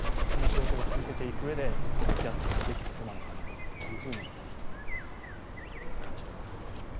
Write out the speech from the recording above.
この仕事を続けていく上でずっと向き合っていくべきことなのかなというふうに感じております。